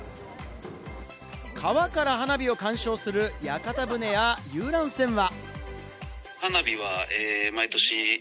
川から花火を鑑賞する屋形船や遊覧船は。